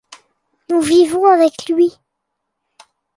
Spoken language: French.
Nous vivons avec lui.